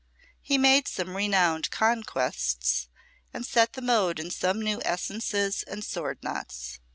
He made some renowned conquests and set the mode in some new essences and sword knots.